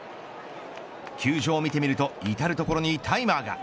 球場を見てみると至る所にタイマーが。